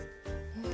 え